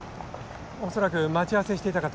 おそらく待ち合わせしていたかと。